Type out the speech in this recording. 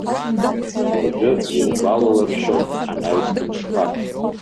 Уажәы илгәалалыршәон анаҩстәи мшқәак.